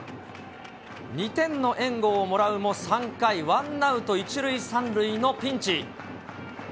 ２点の援護をもらうも３回、ワンアウト１塁３塁のピンチ。